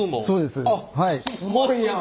すごいやん！